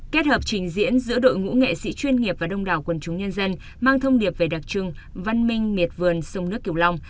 kết hợp trình diễn giữa đội ngũ nghệ sĩ chuyên nghiệp và đông đảo quần chúng nhân dân mang thông điệp về đặc trưng văn minh miệt vườn sông nước kiều long